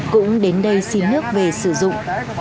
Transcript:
cũng đến đây xin nước về sử dụng